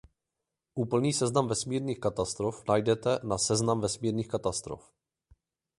Úplný seznam vesmírných katastrof najdete na Seznamu vesmírných katastrof.